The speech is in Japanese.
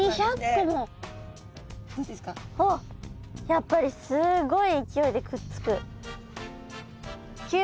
やっぱりすごい勢いでくっつく。